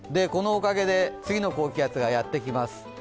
このおかげで次の高気圧がやってきます。